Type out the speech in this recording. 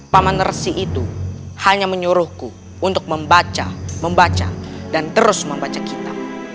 pak manersi itu hanya menyuruhku untuk membaca membaca dan terus membaca kitab